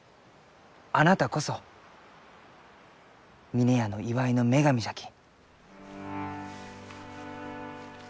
あなたこそ峰屋の祝いの女神じゃき。